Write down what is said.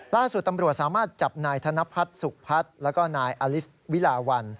ล่าสุดตำรวจสามารถจับนายธนพัฒน์สุขพัฒน์แล้วก็นายอลิสวิลาวัน